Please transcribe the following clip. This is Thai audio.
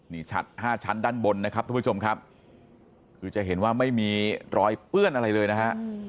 นี่ฉัดห้าชั้นด้านบนนะครับทุกผู้ชมครับคือจะเห็นว่าไม่มีรอยเปื้อนอะไรเลยนะฮะ